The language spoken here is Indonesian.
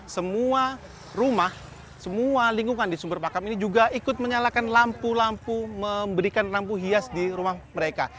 semua rumah semua lingkungan di sumber pakam ini juga ikut menyalakan lampu lampu memberikan lampu hias di rumah mereka